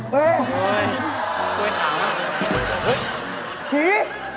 เลยผี